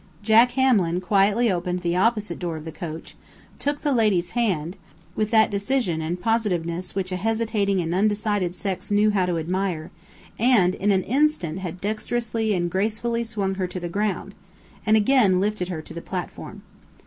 Jack Hamlin quietly opened the OPPOSITE door of the coach, took the lady's hand with that decision and positiveness which a hesitating and undecided sex know how to admire and in an instant had dexterously and gracefully swung her to the ground, and again lifted her to the platform.